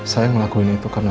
saya melakuin itu karena